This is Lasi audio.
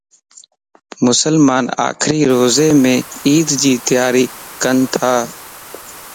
مسلمان آخري روزيمَ عيدَ جي تياري ڪنتا